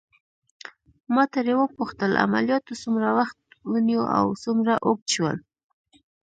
ما ترې وپوښتل: عملياتو څومره وخت ونیو او څومره اوږد شول؟